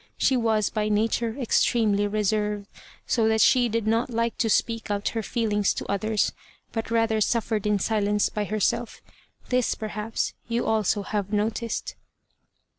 She was, by nature, extremely reserved, so that she did not like to speak out her feelings to others, but rather suffered in silence by herself. This, perhaps, you also have noticed."